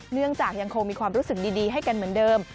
เนื่องจากยังคงมีความรู้สึกดีให้กันเหมือนเดิม